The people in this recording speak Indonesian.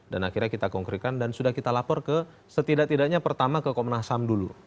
dan akhirnya kita konkurikan dan sudah kita lapor ke setidak tidaknya pertama ke komnas ham dulu